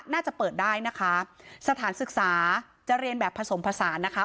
น่าจะเปิดได้นะคะสถานศึกษาจะเรียนแบบผสมผสานนะคะ